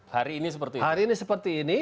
hari ini seperti ini